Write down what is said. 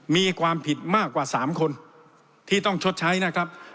มีความผิดมากกว่า๓คนที่ต้องชดใช้นะครับ